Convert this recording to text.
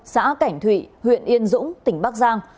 xã cảnh thụy huyện yên dũng tỉnh bắc giang